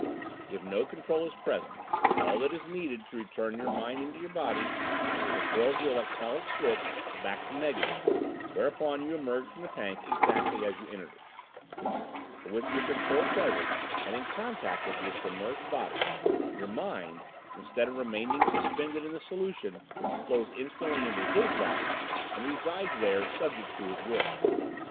"If no Control is present, all that is needed to return your mind into your body is a throw of the electrolytic switch back to negative, whereupon you emerge from the tank exactly as you entered it. But with your Control present and in contact with your submerged body, your mind, instead of remaining suspended in the solution, flows instantly into his body and resides there subject to his will.